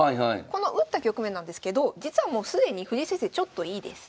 この打った局面なんですけど実はもう既に藤井先生ちょっといいです。